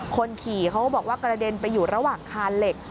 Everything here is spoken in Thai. คนขี่เขาก็บอกว่ากระเด็นไปอยู่ระหว่างคานเหล็ก